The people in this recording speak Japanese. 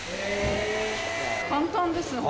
簡単ですよね